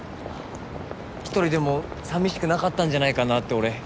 独りでも寂しくなかったんじゃないかなって俺。